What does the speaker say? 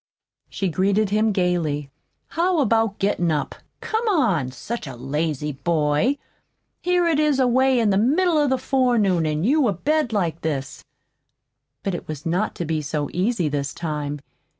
she greeted him gayly. "How about gettin' up? Come on! Such a lazy boy! Here it is away in the middle of the forenoon, an' you abed like this!" But it was not to be so easy this time.